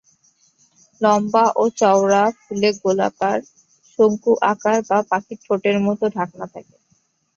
লম্বা ও চওড়া ফুলে গোলাকার, শঙ্কু আকার বা পাখির ঠোঁটের মতো ঢাকনা থাকে।